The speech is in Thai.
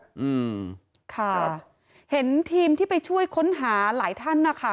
อืมค่ะเห็นทีมที่ไปช่วยค้นหาหลายท่านนะคะ